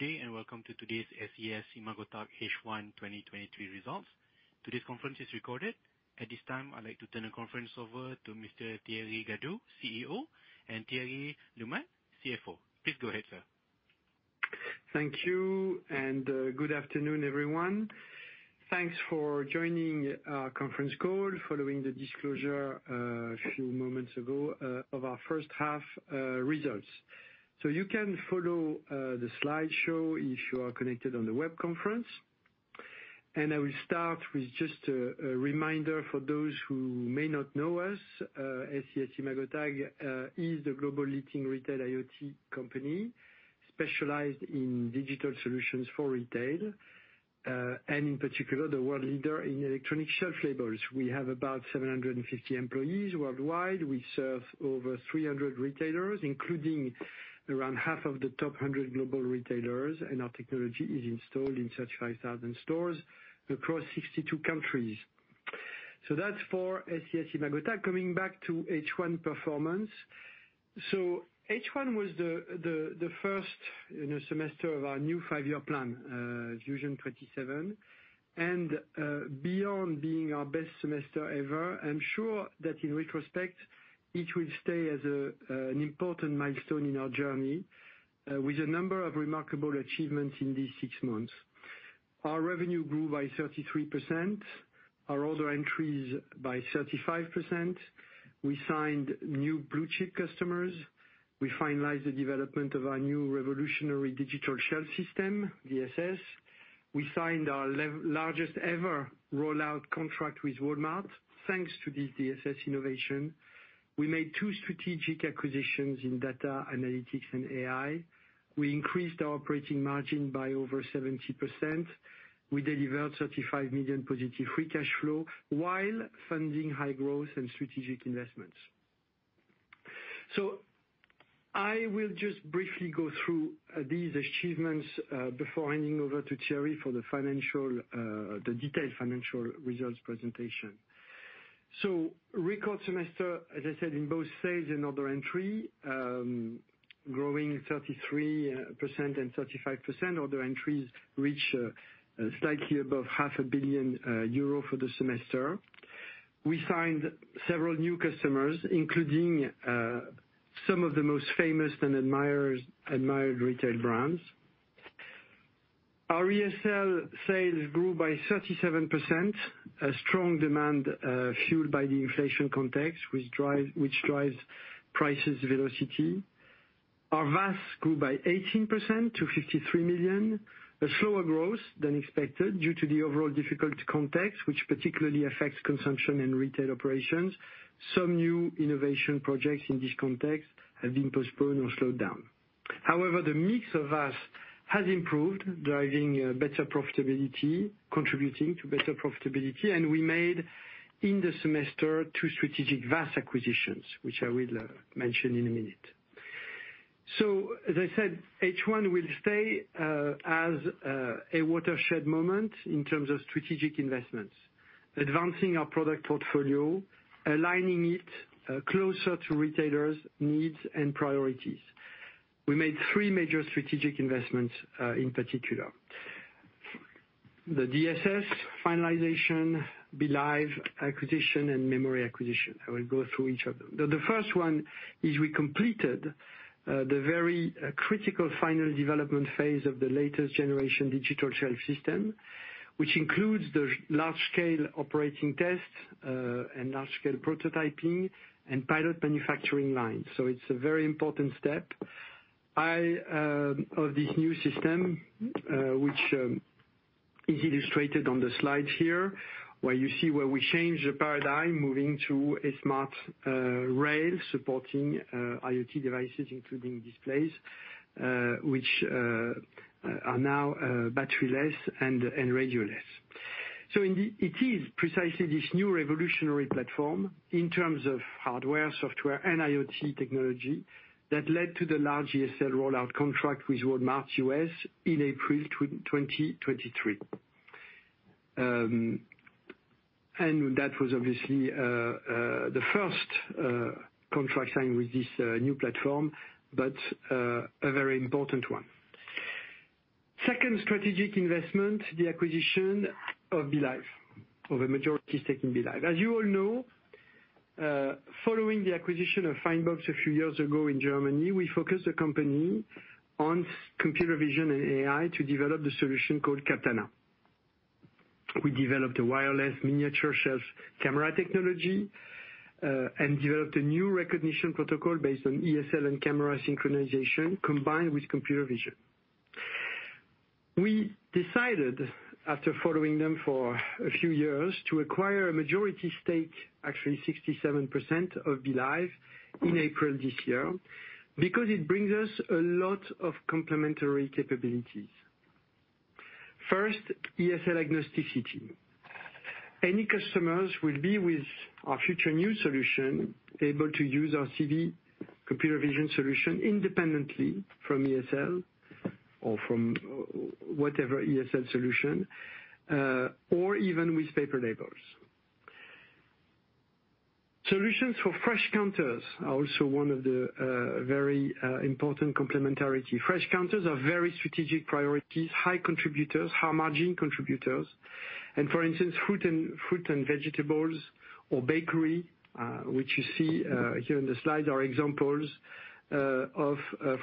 Good day, and welcome to today's SES-imagotag H1 2023 results. Today's conference is recorded. At this time, I'd like to turn the conference over to Mr. Thierry Gadou, CEO, and Thierry Lemaitre, CFO. Please go ahead, sir. Thank you, and good afternoon, everyone. Thanks for joining our conference call following the disclosure, a few moments ago, of our first half results. So you can follow the slideshow if you are connected on the web conference. I will start with just a reminder for those who may not know us. SES-imagotag is the global leading retail IoT company, specialized in digital solutions for retail, and in particular, the world leader in electronic shelf labels. We have about 750 employees worldwide. We serve over 300 retailers, including around half of the top 100 global retailers, and our technology is installed in 35,000 stores across 62 countries. So that's for SES-imagotag. Coming back to H1 performance. So H1 was the first, you know, semester of our new five-year plan, Vusion '27, and beyond being our best semester ever, I'm sure that in retrospect, it will stay as an important milestone in our journey, with a number of remarkable achievements in these six months. Our revenue grew by 33%, our order entries by 35%. We signed new blue-chip customers. We finalized the development of our new revolutionary digital shelf system, DSS. We signed our largest ever rollout contract with Walmart, thanks to this DSS innovation. We made two strategic acquisitions in data analytics and AI. We increased our operating margin by over 70%. We delivered 35 million positive free cash flow while funding high growth and strategic investments. So I will just briefly go through these achievements before handing over to Thierry for the financial, the detailed financial results presentation. Record semester, as I said, in both sales and order entry, growing 33% and 35%. Order entries reach slightly above 500 million euro for the semester. We signed several new customers, including some of the most famous and admired retail brands. Our ESL sales grew by 37%, a strong demand fueled by the inflation context, which drives prices velocity. Our VAS grew by 18% to 53 million, a slower growth than expected due to the overall difficult context, which particularly affects consumption and retail operations. Some new innovation projects in this context have been postponed or slowed down. However, the mix of VAS has improved, driving better profitability, contributing to better profitability, and we made, in the semester, two strategic VAS acquisitions, which I will mention in a minute. So, as I said, H1 will stay as a watershed moment in terms of strategic investments, advancing our product portfolio, aligning it closer to retailers' needs and priorities. We made three major strategic investments, in particular: the DSS finalization, Belive acquisition, and Memory acquisition. I will go through each of them. The first one is we completed the very critical final development phase of the latest generation digital shelf system, which includes the large-scale operating tests and large-scale prototyping and pilot manufacturing lines, so it's a very important step. I of this new system, which is illustrated on the slide here, where you see where we changed the paradigm, moving to a smart rail supporting IoT devices, including displays, which are now battery-less and radio-less. So it is precisely this new revolutionary platform in terms of hardware, software, and IoT technology, that led to the large ESL rollout contract with Walmart US in April 2023. And that was obviously the first contract signed with this new platform, but a very important one. Second strategic investment, the acquisition of Belive.ai, of a majority stake in Belive.ai. As you all know, following the acquisition of Findbox a few years ago in Germany, we focused the company on computer vision and AI to develop the solution called Captana. We developed a wireless miniature shelf camera technology, and developed a new recognition protocol based on ESL and camera synchronization, combined with computer vision. We decided, after following them for a few years, to acquire a majority stake, actually 67%, of Belive.ai in April this year, because it brings us a lot of complementary capabilities. First, ESL agnosticity. Any customers will be, with our future new solution, able to use our CV, computer vision solution independently from ESL or from whatever ESL solution, or even with paper labels. Solutions for fresh counters are also one of the very important complementarity. Fresh counters are very strategic priorities, high contributors, high margin contributors, and for instance, fruit and vegetables or bakery, which you see here in the slide, are examples of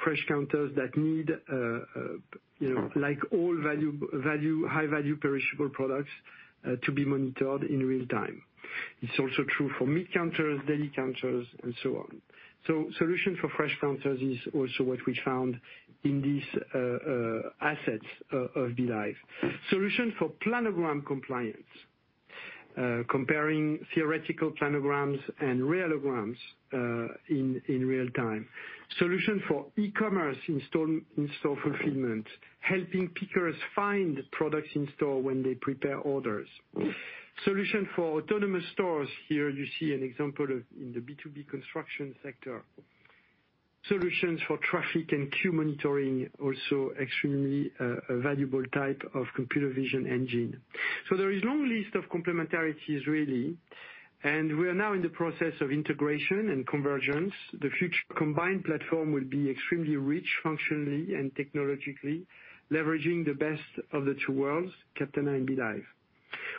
fresh counters that need, you know, like all high-value perishable products to be monitored in real time. It's also true for meat counters, dairy counters, and so on. So solution for fresh counters is also what we found in these assets of Belive. Solution for Planogram compliance, comparing theoretical Planograms and realograms in real time. Solution for e-commerce in store, in-store fulfillment, helping pickers find products in store when they prepare orders. Solution for autonomous stores, here you see an example of in the B2B construction sector. Solutions for traffic and queue monitoring, also extremely valuable type of computer vision engine. So there is a long list of complementarities, really, and we are now in the process of integration and convergence. The future combined platform will be extremely rich, functionally and technologically, leveraging the best of the two worlds, Captana and Belive.ai.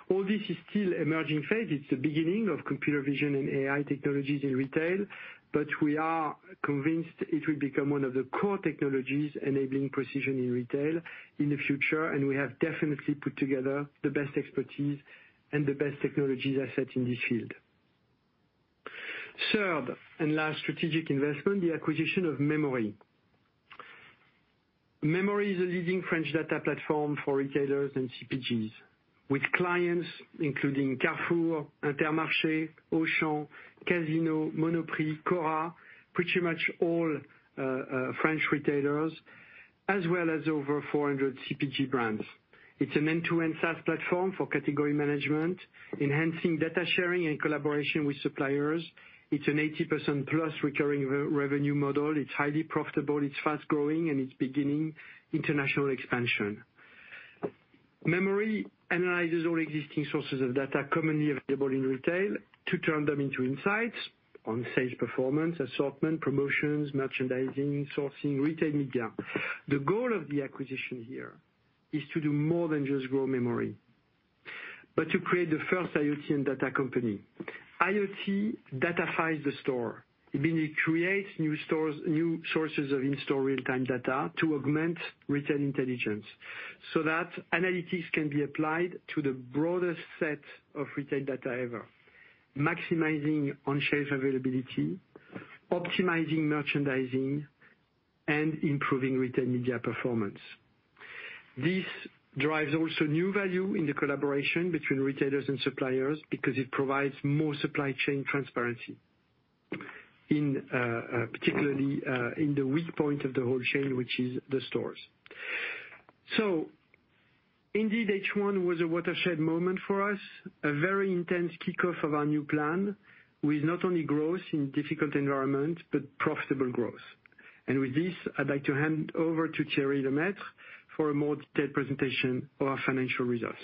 All this is still emerging phase. It's the beginning of computer vision and AI technologies in retail, but we are convinced it will become one of the core technologies enabling precision in retail in the future, and we have definitely put together the best expertise and the best technologies asset in this field. Third and last strategic investment, the acquisition of Memory. Memory is a leading French data platform for retailers and CPGs, with clients including Carrefour, Intermarché, Auchan, Casino, Monoprix, Cora, pretty much all, French retailers, as well as over 400 CPG brands. It's an end-to-end SaaS platform for category management, enhancing data sharing and collaboration with suppliers. It's an 80%+ recurring revenue model. It's highly profitable, it's fast-growing, and it's beginning international expansion. Memory analyzes all existing sources of data commonly available in retail to turn them into insights on sales performance, assortment, promotions, merchandising, sourcing, retail media. The goal of the acquisition here is to do more than just grow Memory, but to create the first IoT and data company. IoT datafies the store, meaning it creates new stores, new sources of in-store real-time data to augment retail intelligence so that analytics can be applied to the broadest set of retail data ever, maximizing on-shelf availability, optimizing merchandising, and improving retail media performance. This drives also new value in the collaboration between retailers and suppliers because it provides more supply chain transparency in, particularly, in the weak point of the whole chain, which is the stores. So indeed, H1 was a watershed moment for us, a very intense kickoff of our new plan, with not only growth in difficult environment, but profitable growth. With this, I'd like to hand over to Thierry Lemaitre for a more detailed presentation of our financial results.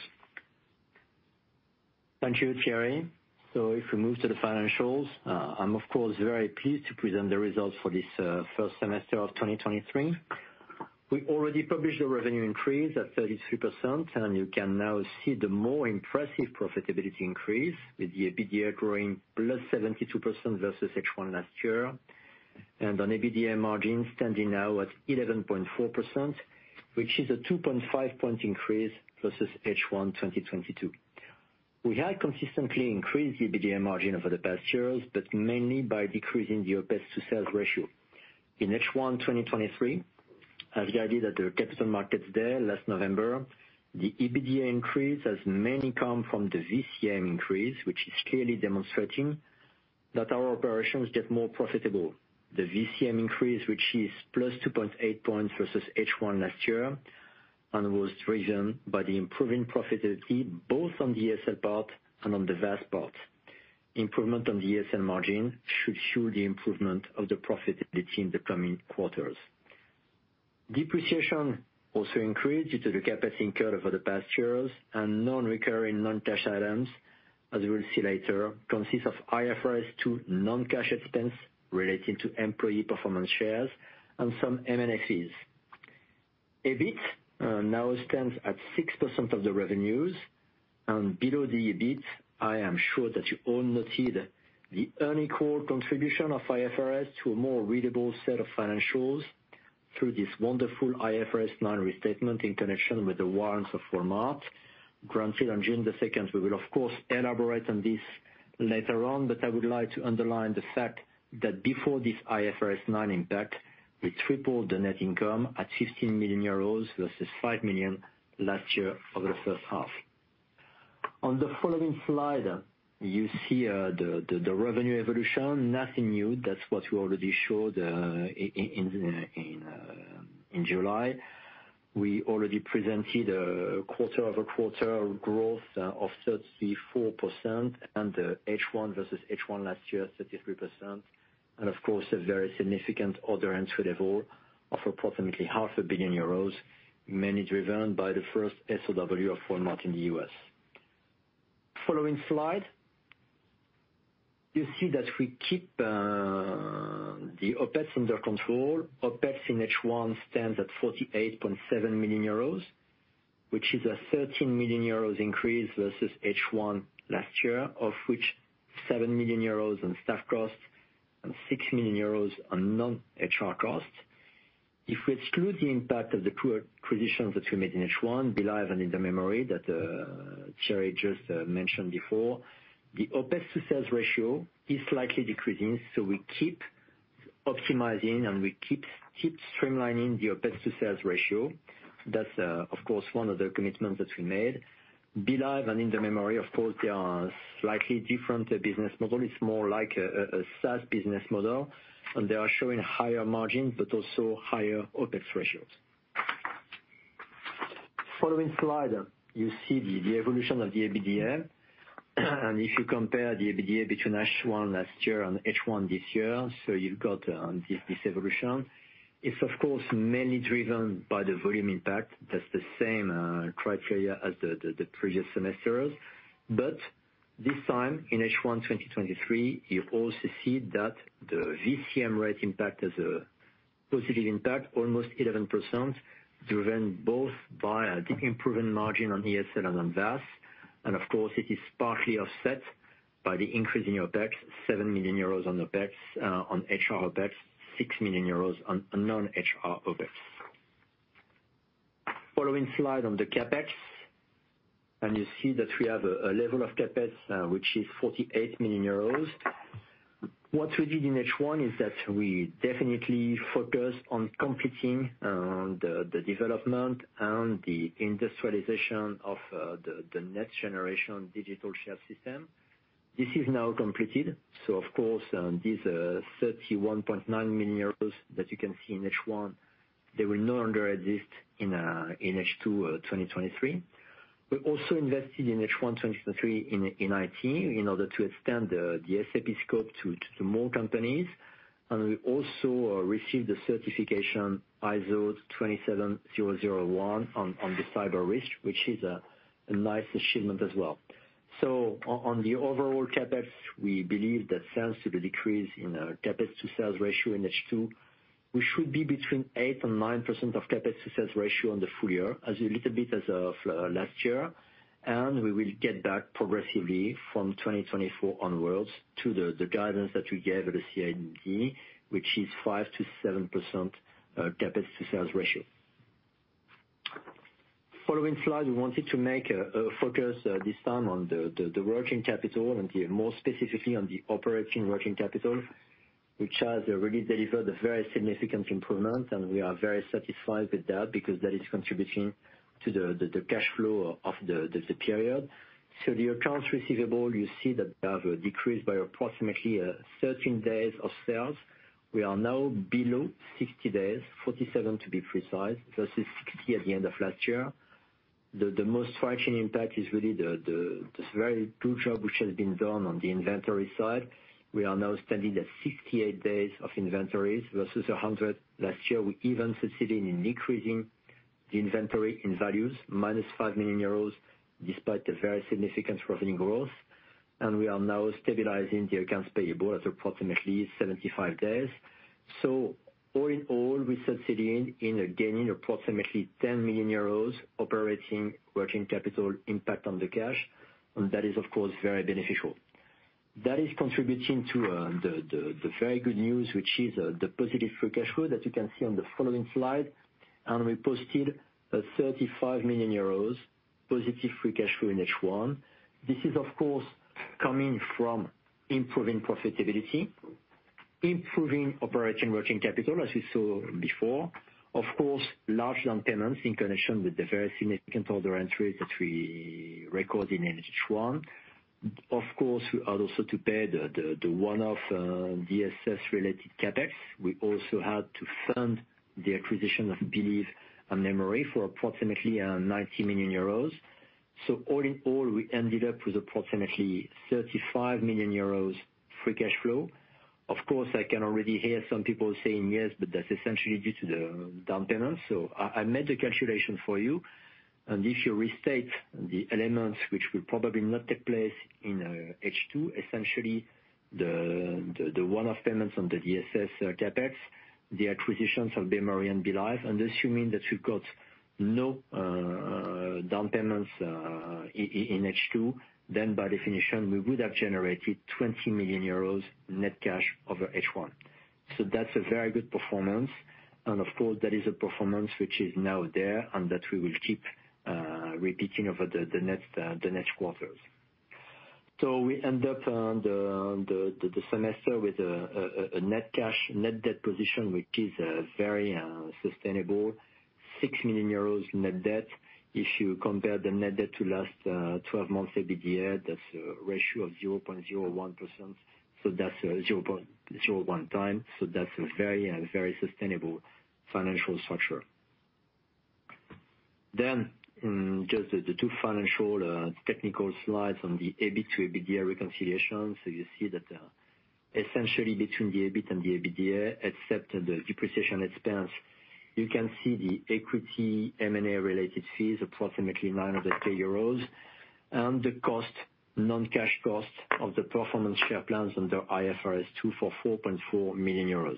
Thank you, Thierry. So if we move to the financials, I'm of course very pleased to present the results for this first semester of 2023. We already published a revenue increase of 33%, and you can now see the more impressive profitability increase with the EBITDA growing +72% versus H1 last year, and an EBITDA margin standing now at 11.4%, which is a 2.5-point increase versus H1 2022. We have consistently increased EBITDA margin over the past years, but mainly by decreasing the OpEx to sales ratio. In H1 2023, as guided at the capital markets day last November, the EBITDA increase has mainly come from the VCM increase, which is clearly demonstrating that our operations get more profitable. The VCM increase, which is +2.8 points versus H1 last year, and was driven by the improving profitability both on the ESL part and on the VAS part. Improvement on the ESL margin should show the improvement of the profitability in the coming quarters. Depreciation also increased due to the capacity incurred over the past years, and non-recurring non-cash items, as we'll see later, consist of IFRS 2 non-cash expense relating to employee performance shares and some NICs. EBIT now stands at 6% of the revenues, and below the EBIT, I am sure that you all noted the earnings call contribution of IFRS 2 to a more readable set of financials through this wonderful IFRS 9 restatement in connection with the warrants of Walmart granted on June the second. We will of course elaborate on this later on, but I would like to underline the fact that before this IFRS 9 impact, we tripled the net income at 16 million euros versus 5 million last year for the first half. On the following slide, you see the revenue evolution. Nothing new, that's what we already showed in July. We already presented a quarter-over-quarter growth of 34%, and the H1 versus H1 last year, 33%.... And of course, a very significant order entry level of approximately 500 million euros, mainly driven by the first SOW of Walmart in the US. Following slide, you see that we keep the OpEx under control. OpEx in H1 stands at 48.7 million euros, which is a 13 million euros increase versus H1 last year, of which 7 million euros on staff costs and 6 million euros on non-HR costs. If we exclude the impact of the two acquisitions that we made in H1, Belive.ai and In The Memory, that Thierry just mentioned before, the OpEx to sales ratio is slightly decreasing, so we keep optimizing, and we keep streamlining the OpEx to sales ratio. That's, of course, one of the commitments that we made. Belive.ai and In The Memory, of course, they are slightly different business model. It's more like a SaaS business model, and they are showing higher margins, but also higher OpEx ratios. Following slide, you see the evolution of the EBITDA, and if you compare the EBITDA between H1 last year and H1 this year, so you've got this evolution. It's of course mainly driven by the volume impact. That's the same criteria as the previous semesters, but this time, in H1 2023, you also see that the VCM rate impact has a positive impact, almost 11%, driven both by the improved margin on ESL and on VAS, and of course, it is partly offset by the increase in your OpEx, 7 million euros on OpEx, on HR OpEx, 6 million euros on non-HR OpEx. Following slide on the CapEx, and you see that we have a level of CapEx which is 48 million euros. What we did in H1 is that we definitely focused on completing the development and the industrialization of the next generation digital shelf system. This is now completed, so of course, these 31.9 million euros that you can see in H1, they will no longer exist in H2 2023. We also invested in H1 2023 in IT in order to extend the SAP scope to more companies, and we also received the certification ISO 27001 on the cyber risk, which is a nice achievement as well. So, on the overall CapEx, we believe that thanks to the decrease in CapEx to sales ratio in H2, we should be between 8% and 9% CapEx to sales ratio on the full year, as a little bit as of last year, and we will get back progressively from 2024 onwards to the guidance that we gave at the CMD, which is 5%-7% CapEx to sales ratio. The following slide, we wanted to make a focus this time on the working capital, and here, more specifically on the operating working capital, which has really delivered a very significant improvement, and we are very satisfied with that, because that is contributing to the cash flow of the period. So the accounts receivable, you see that they have decreased by approximately 13 days of sales. We are now below 60 days, 47 to be precise, versus 60 at the end of last year. The most striking impact is really this very good job, which has been done on the inventory side. We are now standing at 68 days of inventories versus 100 last year. We even succeeding in increasing the inventory in values, minus 5 million euros, despite the very significant revenue growth, and we are now stabilizing the accounts payable at approximately 75 days. So all in all, we succeeding in gaining approximately 10 million euros operating working capital impact on the cash, and that is, of course, very beneficial. That is contributing to the very good news, which is the positive free cash flow that you can see on the following slide. We posted 35 million euros positive free cash flow in H1. This is, of course, coming from improving profitability, improving operating working capital, as you saw before. Of course, large down payments in connection with the very significant order entries that we recorded in H1. Of course, we had also to pay the one-off DSS-related CapEx. We also had to fund the acquisition of Belive and In The Memory for approximately 90 million euros. So all in all, we ended up with approximately 35 million euros free cash flow. Of course, I can already hear some people saying, "Yes, but that's essentially due to the down payment." So I made the calculation for you, and if you restate the elements which will probably not take place in H2, essentially the one-off payments on the DSS CapEx, the acquisitions of Memory and Belive.ai, and assuming that we've got no down payments in H2, then by definition, we would have generated 20 million euros net cash over H1. So that's a very good performance, and of course, that is a performance which is now there, and that we will keep repeating over the next quarters. So we end up on the semester with a net cash net debt position, which is a very sustainable 6 million euros net debt. If you compare the net debt to last twelve months EBITDA, that's a ratio of 0.01%, so that's 0.01 times, so that's a very very sustainable financial structure. Then just the two financial technical slides on the EBIT to EBITDA reconciliation. So you see that essentially between the EBIT and the EBITDA, except the depreciation expense, you can see the equity M&A related fees, approximately 900,000 euros, and the non-cash cost of the performance share plans under IFRS 2 for 4.4 million euros.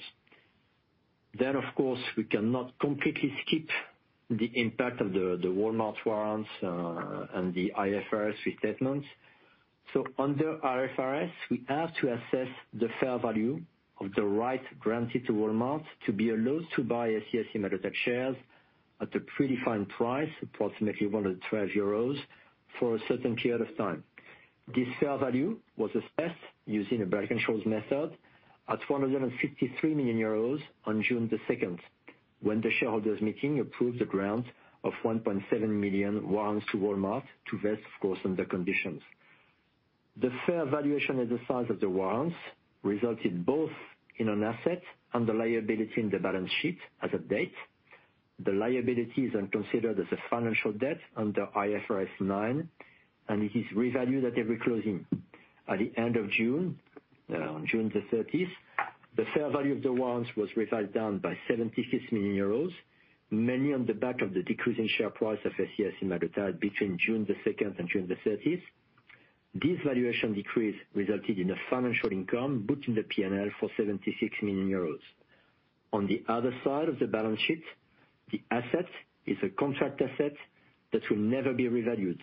Then, of course, we cannot completely skip the impact of the Walmart warrants and the IFRS restatements. So under IFRS, we have to assess the fair value of the right granted to Walmart to be allowed to buy SES-imagotag shares at a predefined price, approximately 112 euros, for a certain period of time. This fair value was assessed using a Black-Scholes method at 153 million euros on June the second, when the shareholders' meeting approved the grant of 1.7 million warrants to Walmart to vest, of course, under conditions. The fair valuation of the size of the warrants resulted both in an asset and a liability in the balance sheet as at date. The liability is then considered as a financial debt under IFRS 9, and it is revalued at every closing. At the end of June, on June 30th, the fair value of the warrants was revised down by 76 million euros, mainly on the back of the decrease in share price of SES-imagotag between June 2nd and June 30th. This valuation decrease resulted in a financial income booked in the P&L for 76 million euros. On the other side of the balance sheet, the asset is a contract asset that will never be revalued,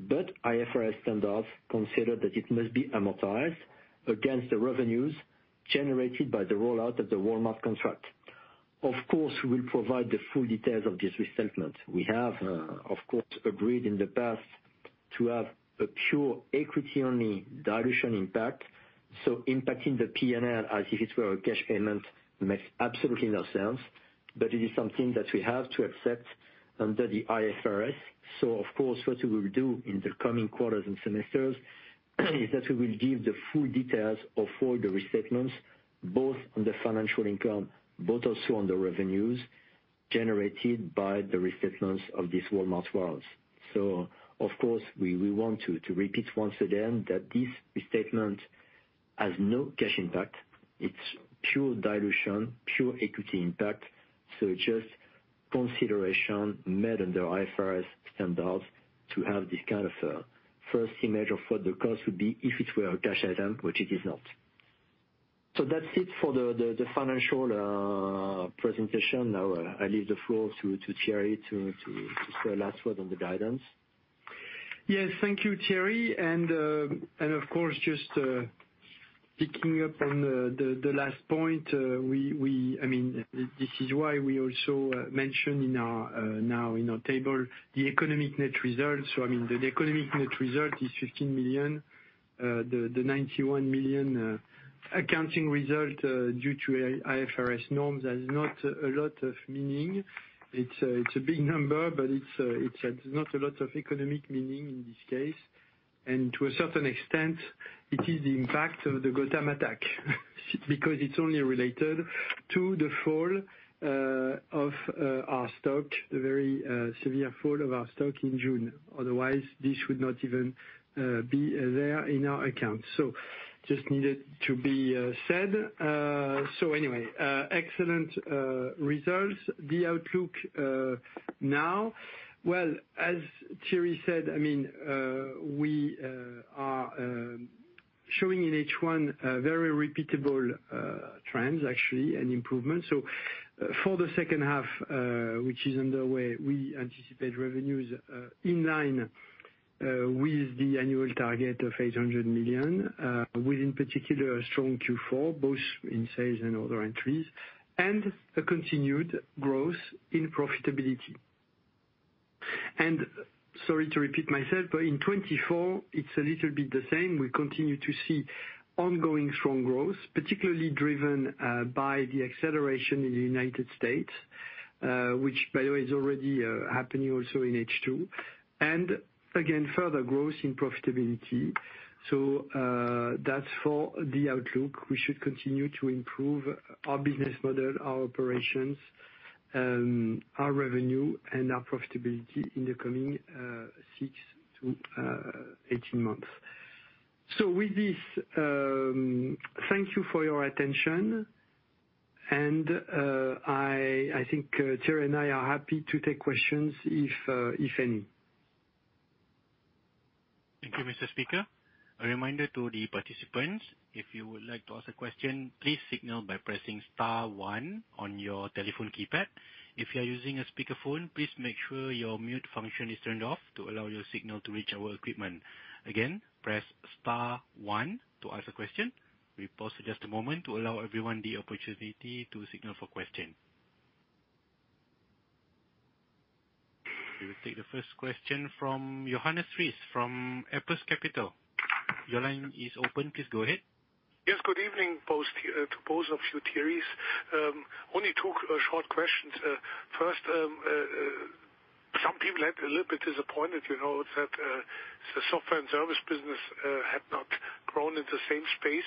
but IFRS standards consider that it must be amortized against the revenues generated by the rollout of the Walmart contract. Of course, we will provide the full details of this restatement. We have, of course, agreed in the past to have a pure equity-only dilution impact, so impacting the P&L as if it were a cash payment makes absolutely no sense. But it is something that we have to accept under the IFRS. So of course, what we will do in the coming quarters and semesters, is that we will give the full details of all the restatements, both on the financial income, both also on the revenues generated by the restatements of these Walmart warrants. So of course, we want to repeat once again that this restatement has no cash impact. It's pure dilution, pure equity impact, so just consideration made under IFRS standards to have this kind of first image of what the cost would be if it were a cash item, which it is not. So that's it for the financial presentation. Now, I leave the floor to Thierry to say a last word on the guidance. Yes, thank you, Thierry. And, of course, just picking up on the last point, we—I mean, this is why we also mentioned in our table now the economic net results. So I mean, the economic net result is 15 million, the ninety-one million accounting result due to IFRS norms has not a lot of meaning. It's a big number, but it's not a lot of economic meaning in this case. And to a certain extent, it is the impact of the Gotham attack, because it's only related to the fall of our stock, the very severe fall of our stock in June. Otherwise, this would not even be there in our accounts. So just needed to be said. So anyway, excellent results. The outlook, now, well, as Thierry said, I mean, we are showing in H1 very repeatable trends, actually, and improvement. So for the second half, which is underway, we anticipate revenues in line with the annual target of 800 million, with, in particular, a strong Q4, both in sales and other entries, and a continued growth in profitability. Sorry to repeat myself, but in 2024, it's a little bit the same. We continue to see ongoing strong growth, particularly driven by the acceleration in the United States, which by the way, is already happening also in H2, and again, further growth in profitability. So, that's for the outlook. We should continue to improve our business model, our operations, our revenue, and our profitability in the coming six to 18 months. So with this, thank you for your attention. And I think Thierry and I are happy to take questions, if any. Thank you, Mr. Speaker. A reminder to the participants, if you would like to ask a question, please signal by pressing star one on your telephone keypad. If you are using a speakerphone, please make sure your mute function is turned off to allow your signal to reach our equipment. Again, press star one to ask a question. We pause just a moment to allow everyone the opportunity to signal for question. We will take the first question from Johannes Ries, from Apus Capital. Your line is open. Please go ahead. Yes, good evening, both, to both of you, Thierrys. Only two short questions. First, some people are a little bit disappointed, you know, that the software and service business had not grown in the same space.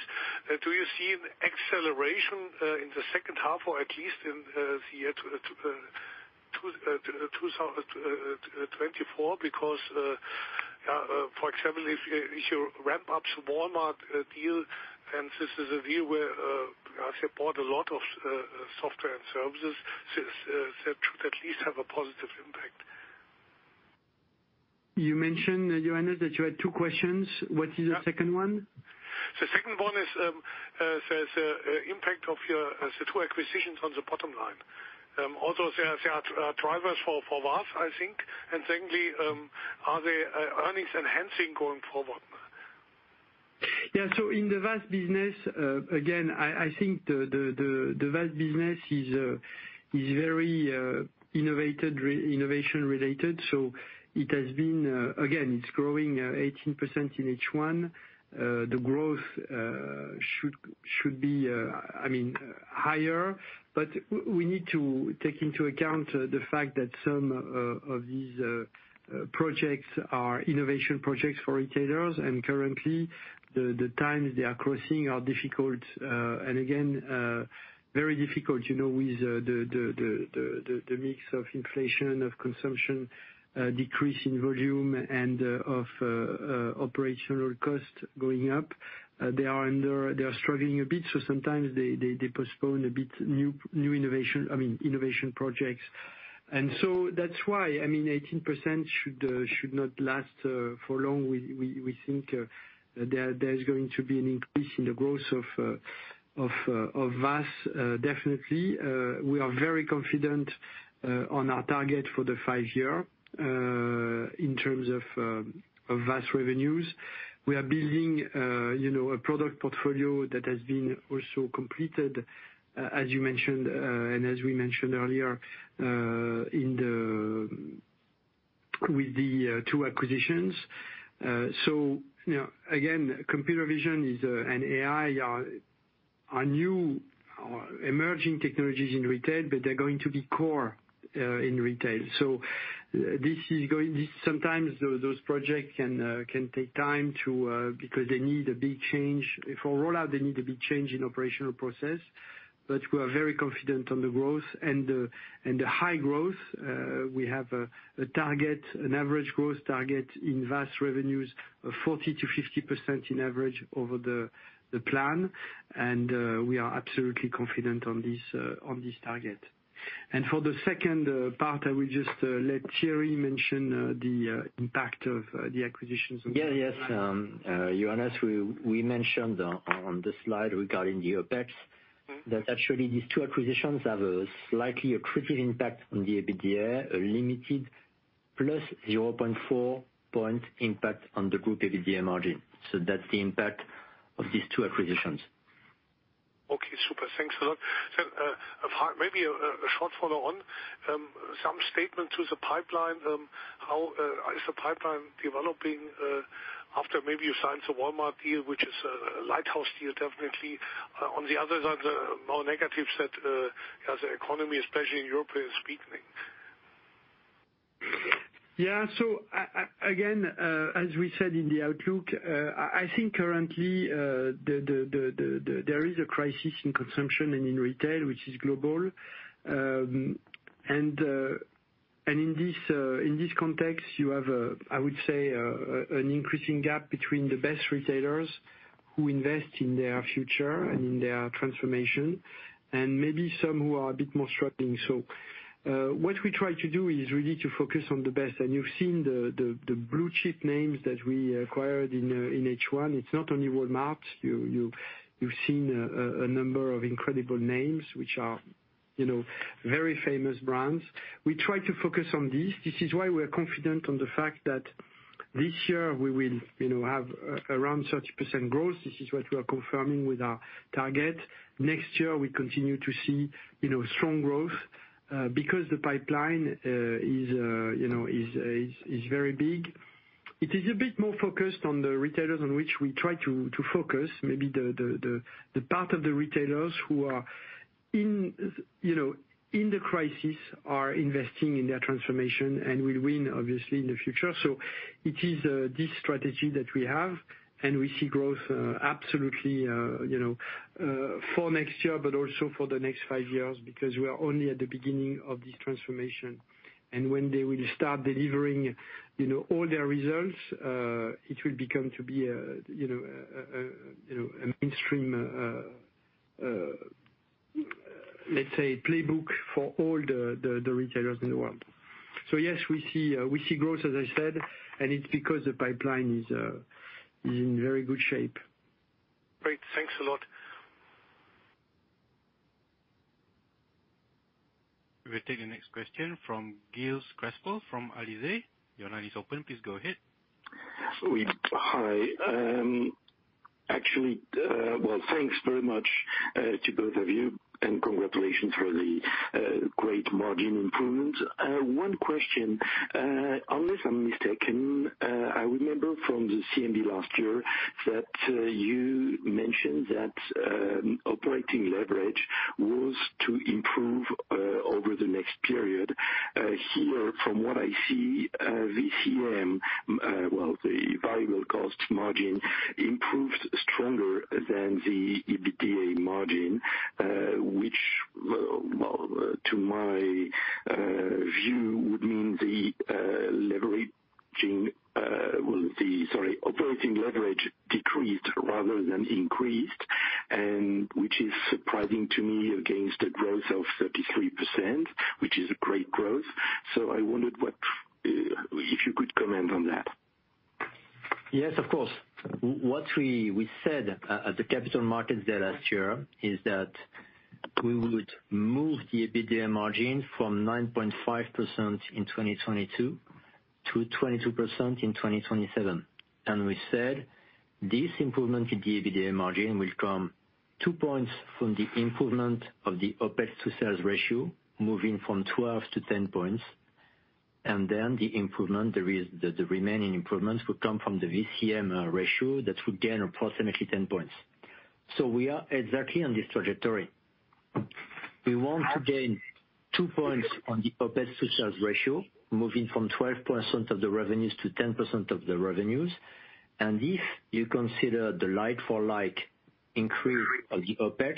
Do you see an acceleration in the second half or at least in 2024 because, for example, if you ramp up the Walmart deal, and this is a deal where they bought a lot of software and services, that should at least have a positive impact. You mentioned, Johannes, that you had two questions. What is the second one? The second one is the impact of your two acquisitions on the bottom line. Also, they are drivers for VAS, I think. And secondly, are they earnings enhancing going forward? Yeah, so in the VAS business, again, I think the VAS business is very innovated, innovation related, so it has been. Again, it's growing 18% in H1. The growth should be, I mean, higher. But we need to take into account the fact that some of these projects are innovation projects for retailers, and currently, the times they are crossing are difficult, and again, very difficult, you know, with the mix of inflation, of consumption decrease in volume and of operational costs going up. They are struggling a bit, so sometimes they postpone a bit, new innovation, I mean, innovation projects. That's why, I mean, 18% should not last for long. We think there is going to be an increase in the growth of VAS, definitely. We are very confident on our target for the five-year in terms of VAS revenues. We are building, you know, a product portfolio that has been also completed, as you mentioned, and as we mentioned earlier, with the two acquisitions. So, you know, again, computer vision and AI are new emerging technologies in retail, but they're going to be core in retail. So this is going, sometimes those projects can take time because they need a big change. For rollout, they need a big change in operational process. But we are very confident on the growth and the high growth. We have a target, an average growth target in VAS revenues of 40%-50% in average over the plan, and we are absolutely confident on this target. And for the second part, I will just let Thierry mention the impact of the acquisitions- Yeah, yes, Johannes, we mentioned on the slide regarding the OpEx, that actually these two acquisitions have a slightly accretive impact on the EBITDA, a limited +0.4 point impact on the group EBITDA margin, so that's the impact of these two acquisitions. Okay, super. Thanks a lot. So, apart, maybe a short follow on some statement to the pipeline, how is the pipeline developing after maybe you signed the Walmart deal, which is a lighthouse deal, definitely. On the other side, the more negative side, as the economy, especially in Europe, is weakening. Yeah, so again, as we said in the outlook, I think currently, there is a crisis in consumption and in retail, which is global. And in this context, you have, I would say, an increasing gap between the best retailers, who invest in their future and in their transformation, and maybe some who are a bit more struggling. So what we try to do is really to focus on the best, and you've seen the blue chip names that we acquired in H1. It's not only Walmart. You've seen a number of incredible names, which are, you know, very famous brands. We try to focus on this. This is why we are confident on the fact that this year we will, you know, have around 30% growth. This is what we are confirming with our target. Next year, we continue to see, you know, strong growth, because the pipeline is, you know, very big. It is a bit more focused on the retailers on which we try to focus, maybe the part of the retailers who are in, you know, in the crisis, are investing in their transformation and will win, obviously, in the future. So it is this strategy that we have, and we see growth, absolutely, you know, for next year, but also for the next five years, because we are only at the beginning of this transformation. And when they will start delivering, you know, all their results, it will become to be a, you know, a mainstream, let's say, playbook for all the retailers in the world. So yes, we see growth, as I said, and it's because the pipeline is in very good shape. Great. Thanks a lot. We'll take the next question from Gilles Crespel from Alizé. Your line is open, please go ahead. Oui. Hi, actually, well, thanks very much to both of you, and congratulations for the great margin improvement. One question, unless I'm mistaken, I remember from the CMD last year, that you mentioned that operating leverage was to improve over the next period. Here, from what I see, VCM, well, the variable cost margin improved stronger than the EBITDA margin. ...in my view, would mean the leveraging, well, the, sorry, operating leverage decreased rather than increased, and which is surprising to me against the growth of 33%, which is a great growth. So I wondered what, if you could comment on that? Yes, of course. What we said at the Capital Markets Day last year is that we would move the EBITDA margin from 9.5% in 2022 to 22% in 2027. And we said this improvement in the EBITDA margin will come 2 points from the improvement of the OpEx to sales ratio, moving from 12 to 10 points, and then the remaining improvements will come from the VCM ratio that will gain approximately 10 points. So we are exactly on this trajectory. We want to gain 2 points on the OpEx to sales ratio, moving from 12% of the revenues to 10% of the revenues. And if you consider the like-for-like increase of the OpEx,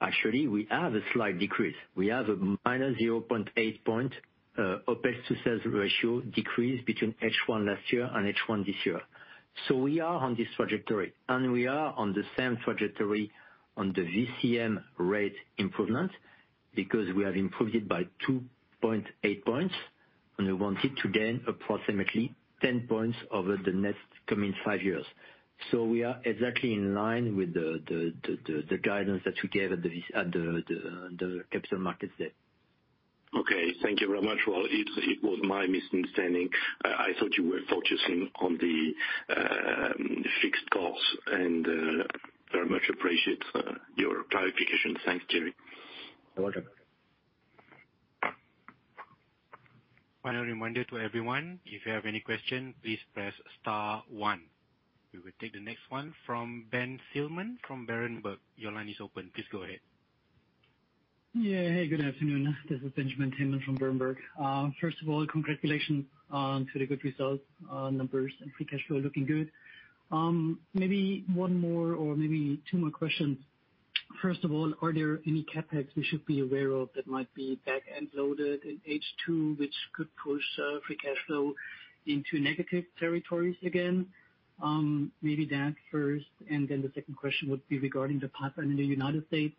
actually we have a slight decrease. We have a -0.8 point OpEx to sales ratio decrease between H1 last year and H1 this year. So we are on this trajectory, and we are on the same trajectory on the VCM rate improvement, because we have improved it by 2.8 points, and we want it to gain approximately 10 points over the next coming five years. So we are exactly in line with the guidance that we gave at the Capital Markets Day. Okay, thank you very much. Well, it was my misunderstanding. I thought you were focusing on the fixed costs, and very much appreciate your clarification. Thanks, Thierry. You're welcome. Final reminder to everyone, if you have any questions, please press star one. We will take the next one from Benjamin Thielmann from Berenberg. Your line is open, please go ahead. Yeah. Hey, good afternoon. This is Benjamin Thielmann from Berenberg. First of all, congratulations to the good results, numbers, and free cash flow looking good. Maybe one more or maybe two more questions. First of all, are there any CapEx we should be aware of that might be back-end loaded in H2, which could push free cash flow into negative territories again? Maybe that first, and then the second question would be regarding the partner in the United States.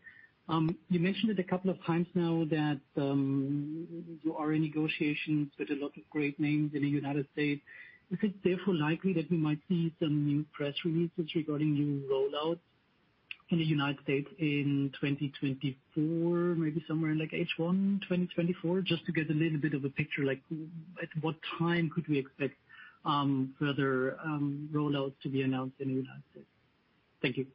You mentioned it a couple of times now that you are in negotiations with a lot of great names in the United States. Is it therefore likely that we might see some new press releases regarding new rollouts in the United States in 2024, maybe somewhere in, like, H1 2024? Just to get a little bit of a picture, like, at what time could we expect further rollouts to be announced in the United States? Thank you.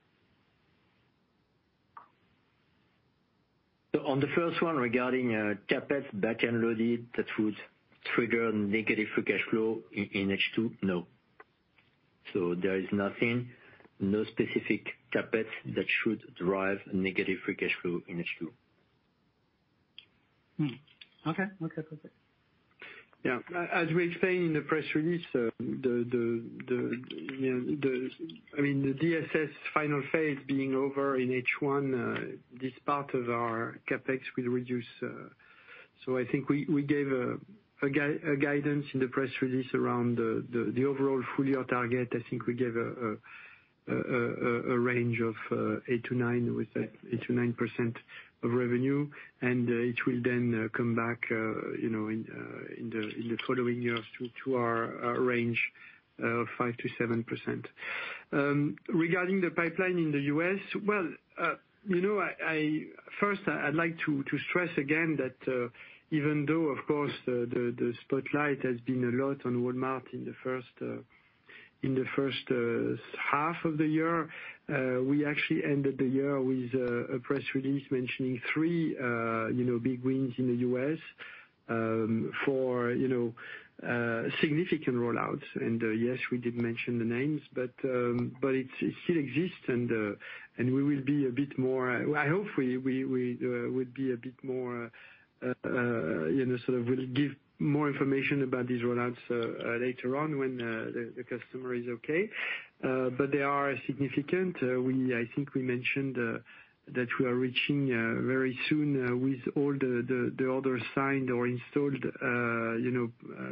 So on the first one, regarding CapEx back-end loaded, that would trigger negative free cash flow in H2? No. So there is nothing, no specific CapEx that should drive negative free cash flow in H2. Hmm. Okay. Okay. Yeah. As we explained in the press release, you know, I mean, the DSS final phase being over in H1, this part of our CapEx will reduce. So I think we gave a guidance in the press release around the overall full-year target. I think we gave a range of 8-9, with 8%-9% of revenue, and it will then come back, you know, in the following years to our range of 5%-7%. Regarding the pipeline in the U.S., well, you know, first, I'd like to stress again that even though, of course, the spotlight has been a lot on Walmart in the first half of the year, we actually ended the year with a press release mentioning three big wins in the U.S. for significant rollouts. And yes, we did mention the names, but it still exists and we will be a bit more... I hope we will be a bit more, you know, sort of, will give more information about these rollouts later on when the customer is okay. But they are significant. I think we mentioned that we are reaching very soon with all the orders signed or installed, you know,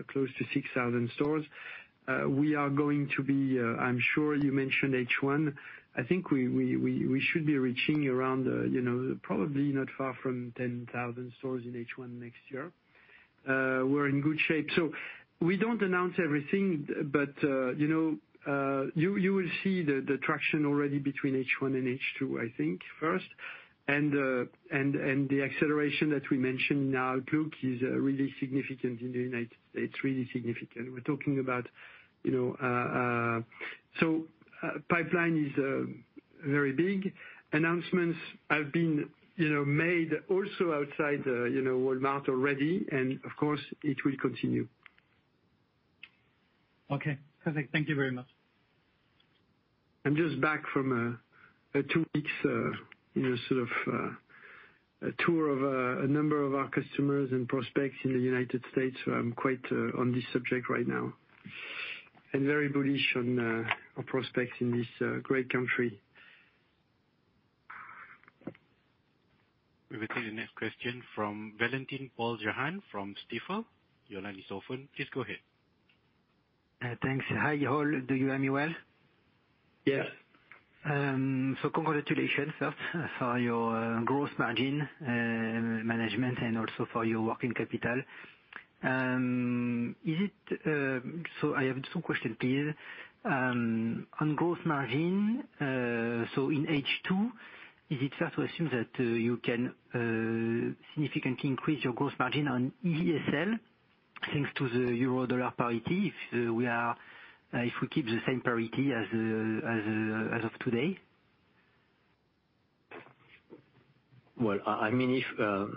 close to 6,000 stores. We are going to be, I'm sure you mentioned H1, I think we should be reaching around, you know, probably not far from 10,000 stores in H1 next year. We're in good shape. So we don't announce everything, but, you know, you will see the traction already between H1 and H2, I think, first. The acceleration that we mentioned in our outlook is really significant in the United States, really significant. We're talking about, you know, so pipeline is very big. Announcements have been, you know, made also outside, you know, Walmart already, and of course, it will continue. Okay, perfect. Thank you very much. I'm just back from a two weeks, you know, sort of, a tour of a number of our customers and prospects in the United States, so I'm quite on this subject right now.... and very bullish on our prospects in this great country. We will take the next question from Valentin Paul-Jahan from Stifel. Your line is open, please go ahead. Thanks. Hi, all. Do you hear me well? Yes. So congratulations first for your growth margin management, and also for your working capital. So I have two question, please. On growth margin, so in H2, is it fair to assume that you can significantly increase your growth margin on ESL, thanks to the euro-dollar parity, if we keep the same parity as of today? Well, I mean,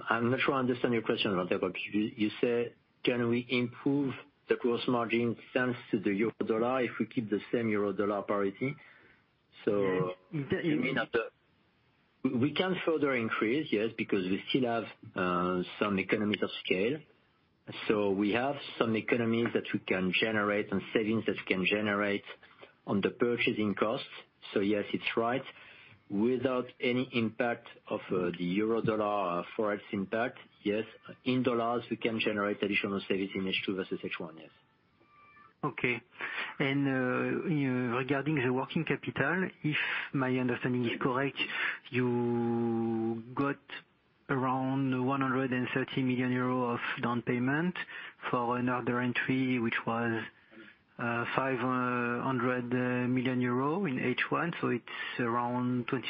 I'm not sure I understand your question, Valentine. You said, can we improve the gross margin thanks to the euro-dollar if we keep the same euro-dollar parity? Yes. So, I mean, we can further increase, yes, because we still have some economies of scale. So we have some economies that we can generate, and savings that can generate on the purchasing costs. So yes, it's right. Without any impact of the euro-dollar Forex impact, yes, in dollars, we can generate additional savings in H2 versus H1, yes. Okay. Regarding the working capital, if my understanding is correct, you got around 130 million euros of down payment for another entry, which was 500 million euros in H1, so it's around 25%.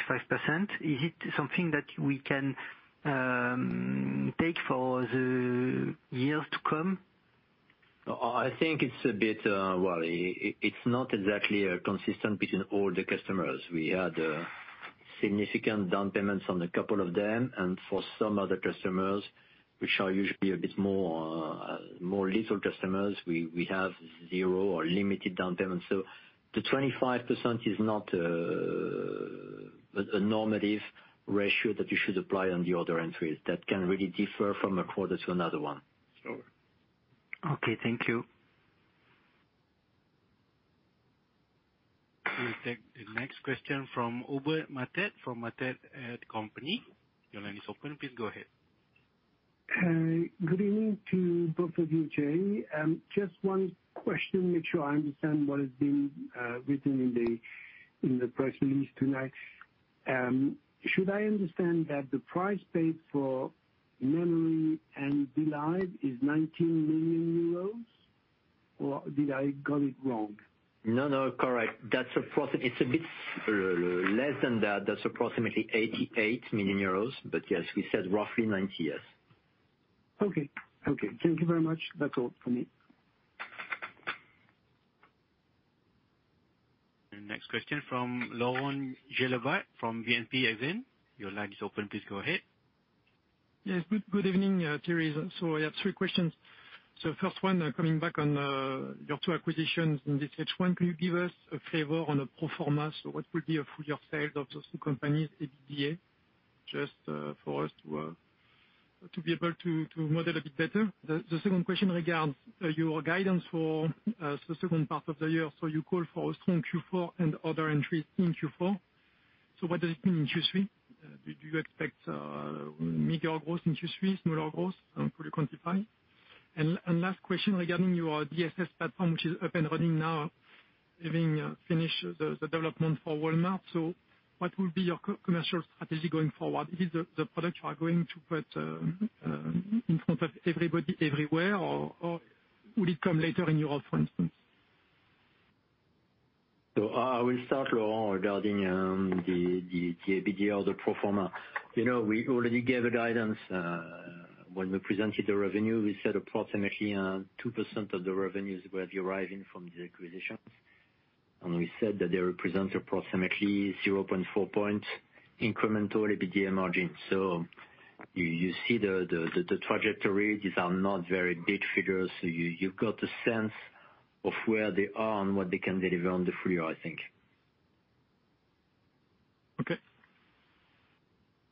Is it something that we can take for the years to come? I think it's a bit, well, it's not exactly consistent between all the customers. We had significant down payments on a couple of them, and for some other customers, which are usually a bit more little customers, we have zero or limited down payments. So the 25% is not a normative ratio that you should apply on the other entries. That can really differ from a quarter to another one. Okay, thank you. We'll take the next question from Hubert Mathet, from Mathet Company. Your line is open, please go ahead. Good evening to both of you, Jay. Just one question, make sure I understand what is being written in the press release tonight. Should I understand that the price paid for Memory and Belive.ai is 19 million euros, or did I got it wrong? No, no, correct. That's approximately... It's a bit less than that. That's approximately 88 million euros, but yes, we said roughly 90 million, yes. Okay. Okay, thank you very much. That's all for me. The next question from Laurent Guiraud, from BNP Exane. Your line is open, please go ahead. Yes, good, good evening, Thierry. So I have three questions. So first one, coming back on your two acquisitions in this H1, can you give us a favor on the pro forma, so what will be a full year of sales of those two companies, EBITDA? Just for us to be able to model a bit better. The second question regards your guidance for the second part of the year. So you call for a strong Q4 and other entries in Q4. So what does it mean in Q3? Do you expect meager growth in Q3, smaller growth, could you quantify? And last question regarding your DSS platform, which is up and running now, having finished the development for Walmart. So what will be your commercial strategy going forward? Is the products you are going to put in front of everybody, everywhere, or will it come later in Europe, for instance? So I will start, Laurent, regarding the EBITDA, the pro forma. You know, we already gave a guidance when we presented the revenue. We said approximately 2% of the revenues were deriving from the acquisitions. And we said that they represent approximately 0.4-point incremental EBITDA margin. So you see the trajectory. These are not very big figures, so you've got a sense of where they are and what they can deliver on the full year, I think. Okay.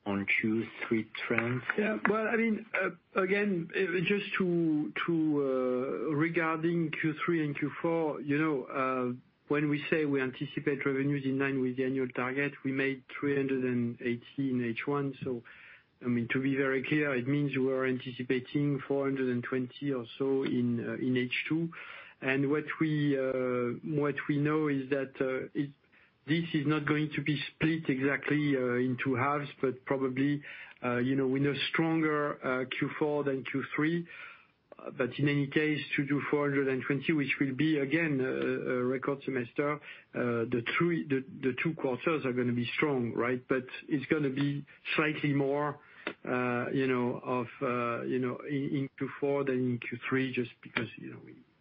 One, two, three, Thierry. Yeah. Well, I mean, again, just to, regarding Q3 and Q4, you know, when we say we anticipate revenues in line with the annual target, we made 380 in H1. So, I mean, to be very clear, it means we are anticipating 420 or so in H2. And what we, what we know is that, this is not going to be split exactly in two halves, but probably, you know, with a stronger Q4 than Q3. But in any case, to do 420, which will be, again, a record semester, the two quarters are gonna be strong, right? But it's gonna be slightly more, you know, of, you know, in Q4 than in Q3, just because, you know,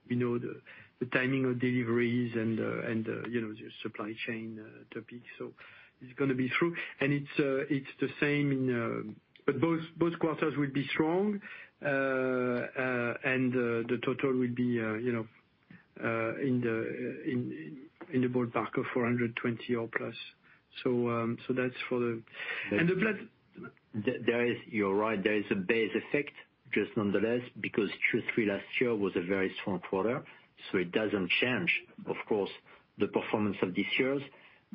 we know the timing of deliveries and, and, you know, the supply chain topic. So it's gonna be through. And it's, it's the same in... But both quarters will be strong. And the total will be, you know, in the ballpark of 420 or plus. So, so that's for the- and the plat- There is, you're right, there is a base effect, just nonetheless, because Q3 last year was a very strong quarter, so it doesn't change, of course, the performance of this year's.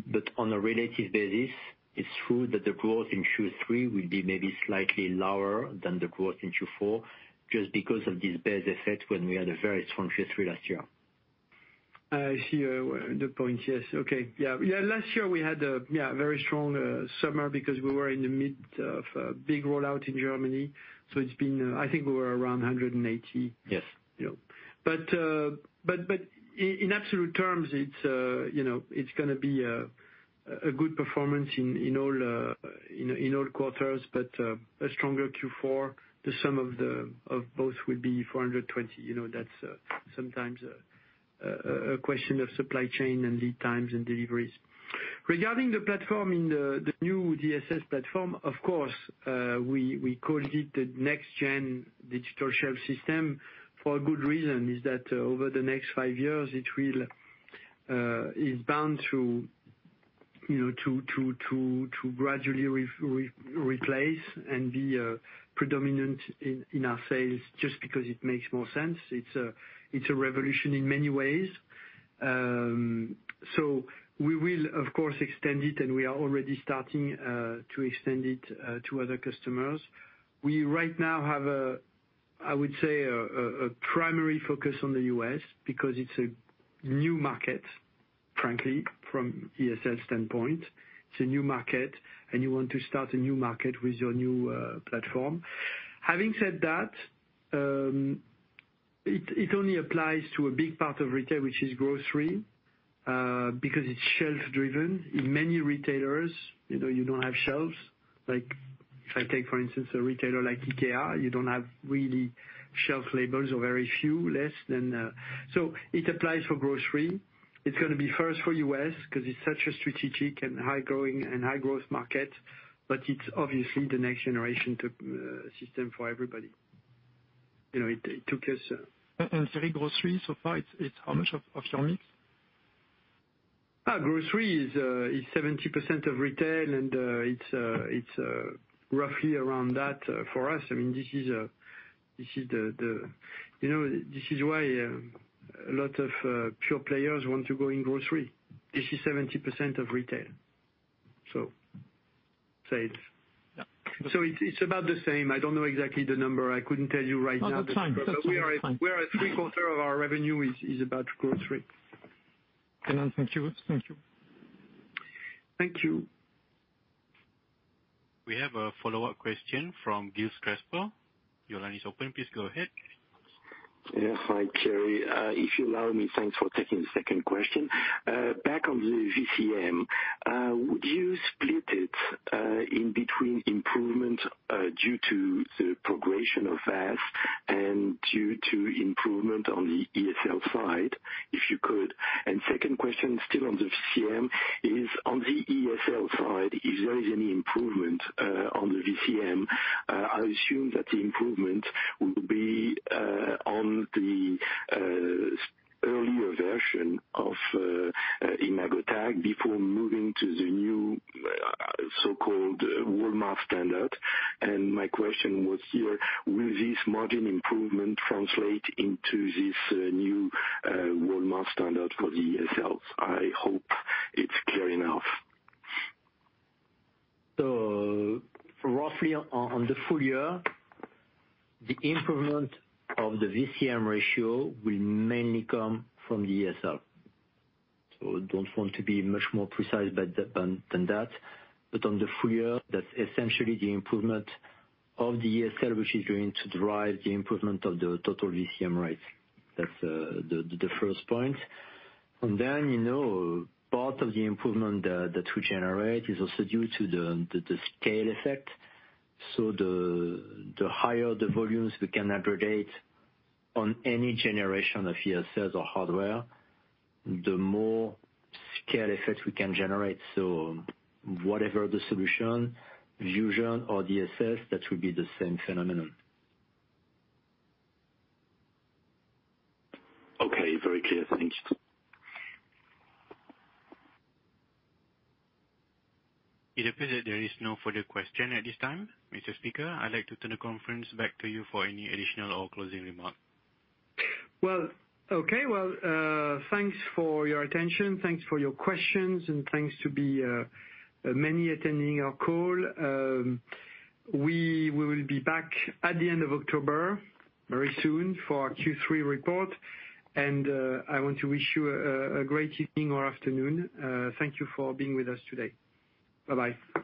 But on a relative basis, it's true that the growth in Q3 will be maybe slightly lower than the growth in Q4, just because of this base effect when we had a very strong Q3 last year. I see, the point. Yes, okay. Yeah, yeah, last year we had a, yeah, very strong summer because we were in the mid of a big rollout in Germany, so it's been... I think we were around 180. Yes. Yeah. But in absolute terms, you know, it's gonna be a good performance in all quarters, but a stronger Q4. The sum of both will be 420. You know, that's sometimes a question of supply chain and lead times and deliveries. Regarding the platform, the new DSS platform, of course, we called it the next-gen digital shelf system for a good reason, is that over the next five years, it will is bound to, you know, to gradually replace and be predominant in our sales, just because it makes more sense. It's a revolution in many ways. So we will, of course, extend it, and we are already starting to extend it to other customers. We right now have a primary focus on the U.S. because it's a new market, frankly, from ESL standpoint. It's a new market, and you want to start a new market with your new platform. Having said that, it only applies to a big part of retail, which is grocery, because it's shelf-driven. In many retailers, you know, you don't have shelves, like if I take, for instance, a retailer like IKEA, you don't have really shelf labels or very few, less than... So it applies for grocery. It's gonna be first for U.S., 'cause it's such a strategic and high-growing and high-growth market, but it's obviously the next generation system for everybody. You know, it took us, And sorry, grocery so far, it's how much of your mix? Grocery is 70% of retail, and it's roughly around that for us. I mean, this is the. You know, this is why a lot of pure players want to go in grocery. This is 70% of retail, so sales. Yeah. So it's, it's about the same. I don't know exactly the number. I couldn't tell you right now. Oh, that's fine. But we're at 75% of our revenue is about grocery. Thank you. Thank you. Thank you. We have a follow-up question from Gilles Crespel. Your line is open. Please go ahead. Yeah. Hi, Thierry. If you allow me, thanks for taking the second question. Back on the VCM, would you split it in between improvement due to the progression of VAS and due to improvement on the ESL side, if you could? And second question, still on the VCM, is on the ESL side, if there is any improvement on the VCM, I assume that the improvement will be on the earlier version of imagotag before moving to the new so-called Walmart standard. And my question was here, will this margin improvement translate into this new Walmart standard for the ESLs? I hope it's clear enough. So roughly on the full year, the improvement of the VCM ratio will mainly come from the ESL. So I don't want to be much more precise, but more than that, but on the full year, that's essentially the improvement of the ESL, which is going to drive the improvement of the total VCM rate. That's the first point. And then, you know, part of the improvement that we generate is also due to the scale effect, so the higher the volumes we can aggregate on any generation of ESLs or hardware, the more scale effect we can generate. So whatever the solution, vision or DSS, that will be the same phenomenon. Okay. Very clear. Thanks. It appears that there is no further question at this time. Mr. Speaker, I'd like to turn the conference back to you for any additional or closing remarks. Well, okay. Well, thanks for your attention. Thanks for your questions, and thanks to the many attending our call. We will be back at the end of October, very soon, for our Q3 report, and I want to wish you a great evening or afternoon. Thank you for being with us today. Bye-bye.